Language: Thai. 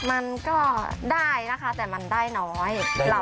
มันก็ได้นะคะแต่มันได้น้อย